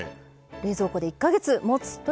冷蔵庫で１か月もつ。